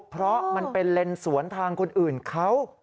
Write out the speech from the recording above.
เพราะมันเป็นเลนสวนทางคนอื่นเขา